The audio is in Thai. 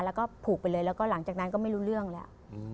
แล้วก็ผูกไปเลยแล้วก็หลังจากนั้นก็ไม่รู้เรื่องแล้ว